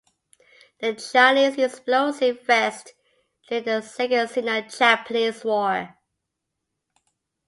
The Chinese used explosive vests during the Second Sino-Japanese War.